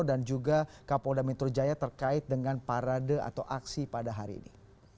dan juga kapol damintro jaya terkait dengan parade atau aksi pada hari ini